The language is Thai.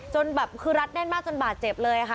จนแบบคือรัดแน่นมากจนบาดเจ็บเลยค่ะ